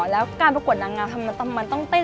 แล้วการประกวดนางงามมันต้องเต้น